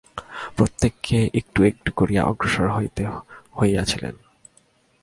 প্রত্যেককে একটু একটু করিয়া অগ্রসর হইতে হইয়াছিল।